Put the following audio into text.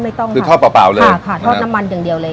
ไม่ต้องค่ะคือทอดเปล่าเปล่าเลยค่ะค่ะทอดน้ำมันอย่างเดียวเลยค่ะ